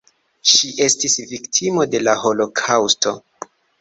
Ŝi estis viktimo de la holokaŭsto.